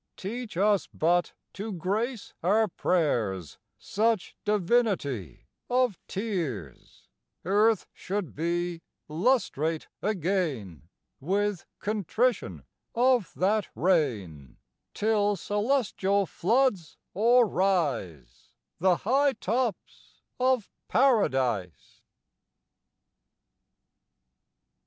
Teach us but, to grace our prayers, Such divinity of tears, Earth should be lustrate again With contrition of that rain: Till celestial floods o'er rise The high tops of Paradise.